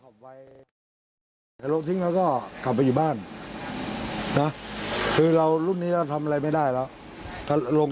ไม่ได้ดูถูกอาชีพกับเอง